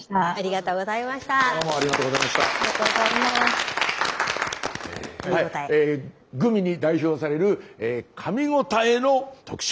はいグミに代表される「かみごたえ」の特集。